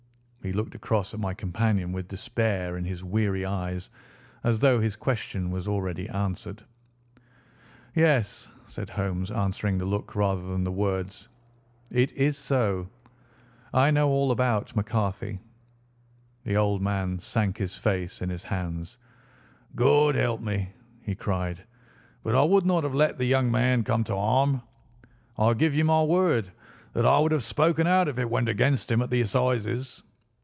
He looked across at my companion with despair in his weary eyes, as though his question was already answered. "Yes," said Holmes, answering the look rather than the words. "It is so. I know all about McCarthy." The old man sank his face in his hands. "God help me!" he cried. "But I would not have let the young man come to harm. I give you my word that I would have spoken out if it went against him at the Assizes."